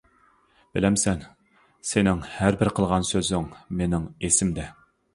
بىلەمسەن، سېنىڭ ھەربىر قىلغان سۆزۈڭ مېنىڭ ئېسىمدە.